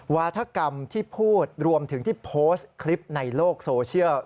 วาธกรรมที่พูดรวมถึงที่โพสต์คลิปในโลกโซเชียล